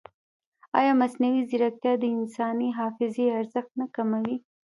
ایا مصنوعي ځیرکتیا د انساني حافظې ارزښت نه کموي؟